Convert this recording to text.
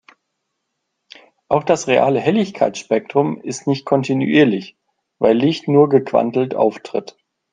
Auch das reale Helligkeitsspektrum ist nicht kontinuierlich, weil Licht nur gequantelt auftritt.